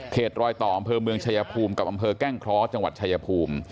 รอยต่ออำเภอเมืองชายภูมิกับอำเภอแก้งเคราะห์จังหวัดชายภูมิ